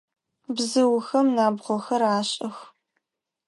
Бзыухэм набгъохэр ашӏых.